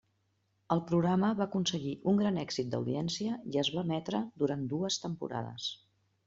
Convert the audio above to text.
El programa va aconseguir un gran èxit d'audiència i es va emetre durant dues temporades.